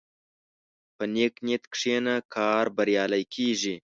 په نیک نیت کښېنه، کار بریالی کېږي.